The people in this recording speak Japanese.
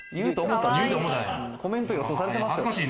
コメント予想されてますよ。